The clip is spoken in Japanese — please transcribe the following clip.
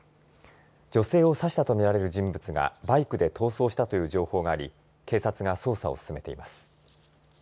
女性を刺したとみられる人物がバイクで逃走したという情報があり警察が捜査を進めています。